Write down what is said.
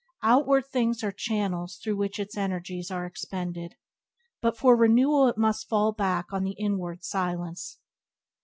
Outward things are channels through which its energies are expended, but for renewal it must fall back on the inward silence.